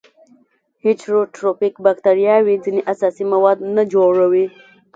هیټروټروفیک باکتریاوې ځینې اساسي مواد نه جوړوي.